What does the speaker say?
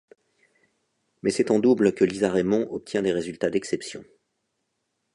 Mais c'est en double que Lisa Raymond obtient des résultats d'exception.